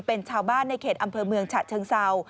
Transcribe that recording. เป็นชาวบ้านในเขตอำเภอเมืองฉะเชิงเศร้า